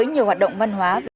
nhiều hoạt động văn hóa